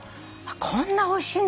こんなおいしいんだ。